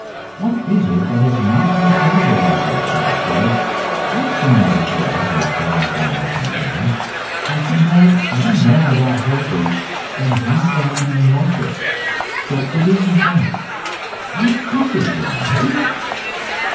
What is it that has knocked me over like this, Bulstrode? I've seen other girls with black eyes and hair, and she knows no more of horses than half the women in Yorkshire; so it is n't that. What is it, then, hey?"